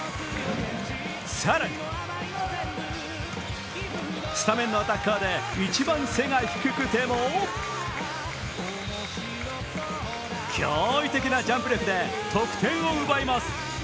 更に、スタメンのアタッカーで一番背が低くても驚異的なジャンプ力で得点を奪います。